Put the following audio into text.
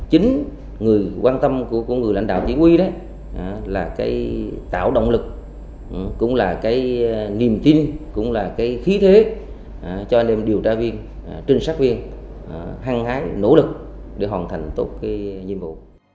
chính người quan tâm của con người lãnh đạo chỉ huy là tạo động lực cũng là cái niềm tin cũng là cái khí thế cho anh em điều tra viên trinh sát viên hăng hái nỗ lực để hoàn thành tốt cái nhiệm vụ